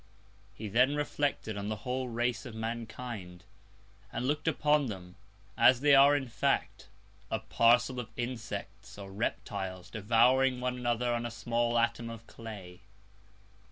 He then reflected on the whole Race of Mankind, and look'd upon them, as they are in Fact, a Parcel of Insects, or Reptiles, devouring one another on a small Atom of Clay.